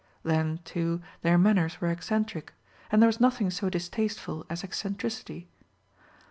Then, too, their manners were eccentric; and there was nothing so distasteful as eccentricity.